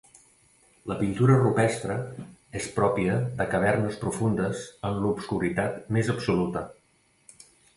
La pintura rupestre és pròpia de cavernes profundes en l'obscuritat més absoluta.